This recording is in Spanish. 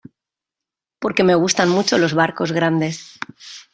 porque me gustan mucho los barcos grandes.